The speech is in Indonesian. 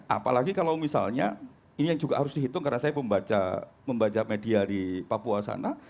apalagi kalau misalnya ini yang juga harus dihitung karena saya membaca media di papua sana